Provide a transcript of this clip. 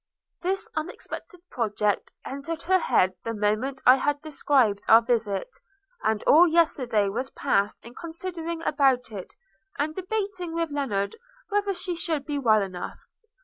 This unexpected project entered her head the moment I had described our visit; and all yesterday was passed in considering about it, and debating with Lennard whether she should be well enough.